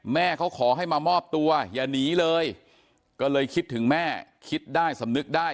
แม่เขาขอให้มามอบตัวอย่าหนีเลยก็เลยคิดถึงแม่คิดได้สำนึกได้